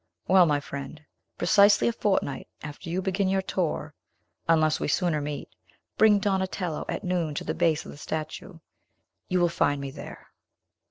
Well, my friend, precisely a fortnight after you begin your tour, unless we sooner meet, bring Donatello, at noon, to the base of the statue. You will find me there!"